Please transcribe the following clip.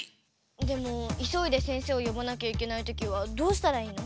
でもいそいでせんせいをよばなきゃいけないときはどうしたらいいの？